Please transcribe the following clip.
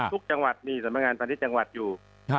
ทุกจังหวัดมีสำนักงานพาณิชย์จังหวัดอยู่